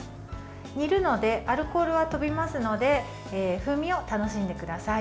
煮るのでアルコールは飛びますので風味を楽しんでください。